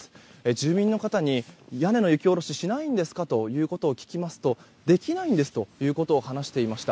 住民の方に屋根の雪下ろしをしないんですかと聞きますとできないんですということを話していました。